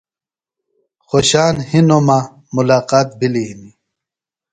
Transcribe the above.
خوۡشان ہِنوۡ مہ ملاقات بھِلیۡ ہِنیۡ۔